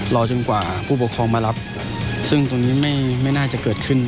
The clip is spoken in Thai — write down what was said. จนกว่าผู้ปกครองมารับซึ่งตรงนี้ไม่น่าจะเกิดขึ้น